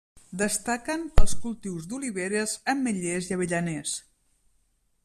Destaquen els cultius d'oliveres, ametllers i avellaners.